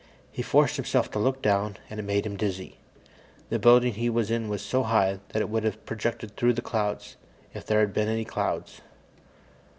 He forced himself to look down, and it made him dizzy. The building he was in was so high that it would have projected through the clouds if there had been any clouds.